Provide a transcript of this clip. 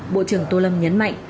bộ trưởng tô lâm nhấn mạnh